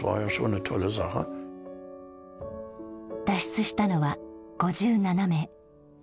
脱出したのは５７名。